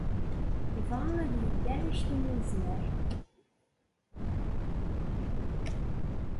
Yebɣa ad yedder anect umi yezmer.